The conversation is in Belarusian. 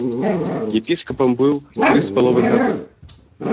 Епіскапам быў тры з паловай гады гады.